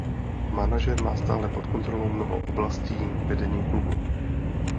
Manažer má stále pod kontrolou mnoho oblastí vedení klubu.